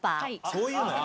そういうのね。